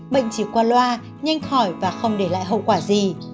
bệnh chỉ qua loa nhanh khỏi và không để lại hậu quả gì